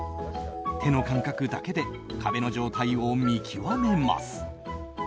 手の感覚だけで壁の状態を見極めます。